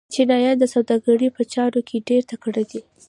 چینایان د سوداګرۍ په چارو کې ډېر تکړه دي.